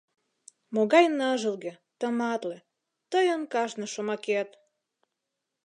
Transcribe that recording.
Могай ныжылге, тыматле, Тыйын кажне шомакет!